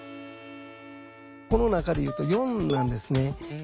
この中で言うと４なんですね。